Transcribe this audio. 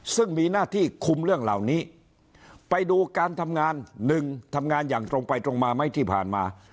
ซึ่งมีหน้าที่คุมเรื่องเหล่านี้ไปดูการทำงานหนึ่งทำงานอย่างตรงไปตรงมาไหมที่ผ่านมา